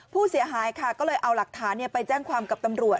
ผู้เสียหายค่ะก็เลยเอาหลักฐานไปแจ้งความกับตำรวจ